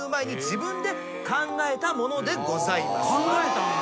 考えたんだ。